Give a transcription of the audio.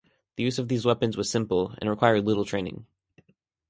The use of these weapons was simple and required little training.